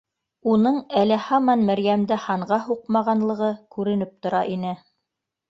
Уның әле һаман Мәрйәмде һанға һуҡмағанлығы күренеп тора ине